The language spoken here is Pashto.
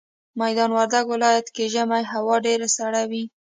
ميدان وردګ ولايت کي ژمي هوا ډيره سړه وي